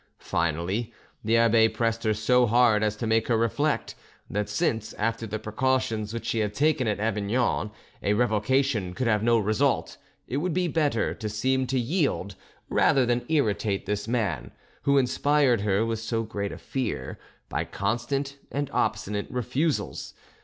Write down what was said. Finally, the abbe pressed her so hard as to make her reflect that since, after the precautions which she had taken at Avignon, a revocation could have no result, it would be better to seem to yield rather than irritate this man, who inspired her with so great a fear, by constant and obstinate refusals.